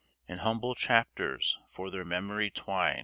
And humble chaplets for their memory twine.